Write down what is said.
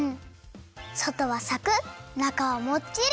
そとはサクッなかはもっちり！